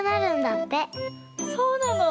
そうなの？